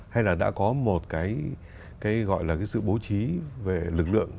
hay là đã có một cái gọi là cái sự bố trí về lực lượng